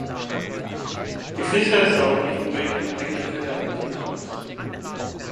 Die Fischer schauen nicht über ihren eigenen Tellerrand hinaus.